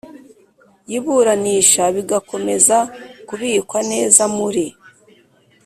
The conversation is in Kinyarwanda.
Y iburanisha bigakomeza kubikwa neza muri